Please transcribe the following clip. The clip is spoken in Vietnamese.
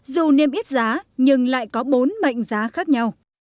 dù niêm yết giá nhưng lại có bốn mệnh giá khác nhau